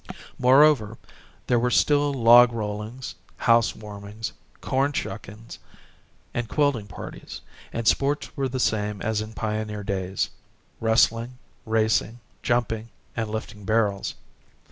Moreover, there were still log rollings, house warmings, corn shuckings, and quilting parties, and sports were the same as in pioneer days wrestling, racing, jumping, and lifting barrels.